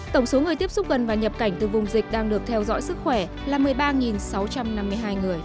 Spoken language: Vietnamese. tổng số người tiếp xúc gần và nhập cảnh từ vùng dịch đang được theo dõi sức khỏe là một mươi ba sáu trăm năm mươi hai người